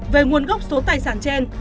về nguồn gốc số tài sản trên